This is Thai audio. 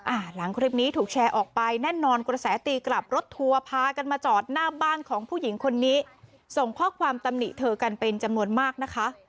หลังคลิปนี้ถูกแชร์ออกไปแน่นอนกระแสตีกลับรถทัวร์พากันมาจอดหน้าบ้านของผู้หญิงคนนี้ส่งข้อความตำหนิเธอกันเป็นจำนวนมากนะคะ